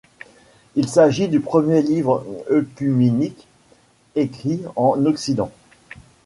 Il s’agit du premier livre œcuménique écrit en Occident.